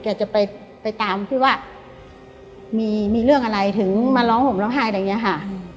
จะไปตามที่ว่ามีเรื่องอะไรถึงมาร้องห่มร้องไห้อะไรอย่างนี้ค่ะ